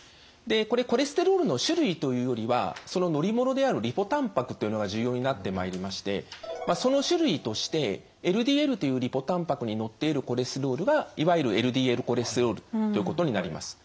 これコレステロールの種類というよりはその乗り物であるリポたんぱくというのが重要になってまいりましてその種類としてＬＤＬというリポたんぱくに乗っているコレステロールがいわゆるＬＤＬコレステロールということになります。